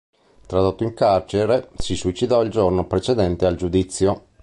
Tradotto in carcere, si suicidò il giorno precedente al giudizio..